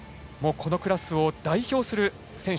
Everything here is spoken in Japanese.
このクラスを代表する選手